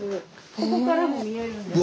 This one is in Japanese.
ここからも見えるんですけど。